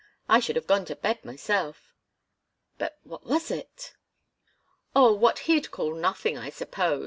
I should have gone to bed, myself." "But what was it?" "Oh what he'd call nothing, I suppose!